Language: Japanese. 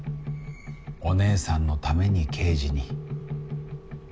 お姉さんのために刑事に。